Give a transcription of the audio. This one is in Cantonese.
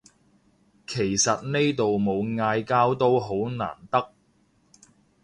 其實呢度冇嗌交都好難得